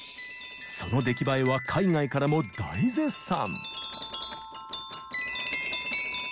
その出来栄えは海外からも大絶賛。